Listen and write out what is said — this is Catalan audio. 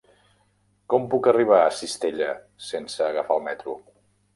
Com puc arribar a Cistella sense agafar el metro?